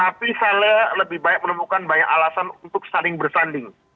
tapi saya lebih baik menemukan banyak alasan untuk saling bersanding